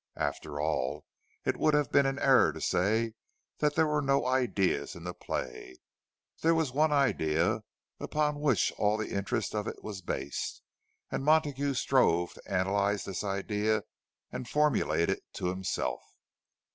After all, it would have been an error to say that there were no ideas in the play—there was one idea upon which all the interest of it was based; and Montague strove to analyze this idea and formulate it to himself.